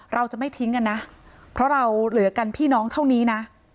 เราจะไม่ทิ้งกันนะเพราะเราเหลือกันพี่น้องเท่านี้นะ